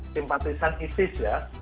simpatisan isis ya